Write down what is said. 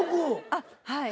あっはい。